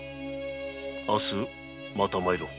明日また参ろう。